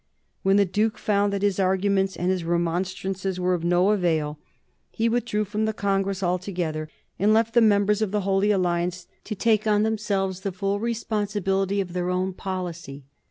When the Duke found that his arguments and his remonstrances were of no avail, he withdrew from the Congress altogether and left the members of the Holy Alliance to take on themselves the full responsibility of their own policy.